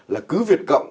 là cứ việt cộng